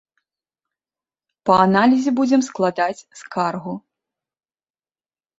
Па аналізе будзем складаць скаргу.